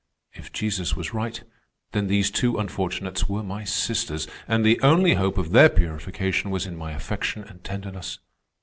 If Jesus was right, then these two unfortunates were my sisters, and the only hope of their purification was in my affection and tenderness.